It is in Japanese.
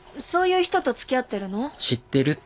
知ってるってだけ。